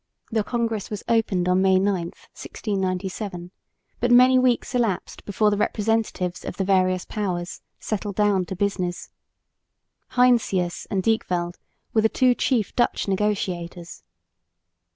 The congress was opened on May 9, 1697, but many weeks elapsed before the representatives of the various powers settled down to business. Heinsius and Dijkveld were the two chief Dutch negotiators.